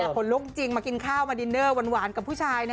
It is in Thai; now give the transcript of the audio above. ขนลุกจริงมากินข้าวมาดินเนอร์หวานกับผู้ชาย